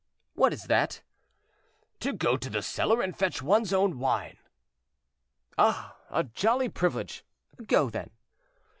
"What is that?" "To go to the cellar and fetch one's own wine." "Ah! a jolly privilege. Go, then."